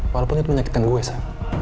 walaupun itu menyakitkan gue sih